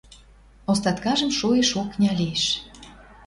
Остаткажым шоэш окня лиш.